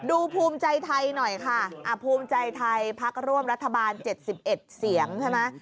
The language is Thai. ภูมิใจไทยหน่อยค่ะภูมิใจไทยพักร่วมรัฐบาล๗๑เสียงใช่ไหม